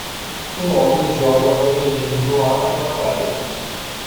Um homem joga um menino no ar na praia.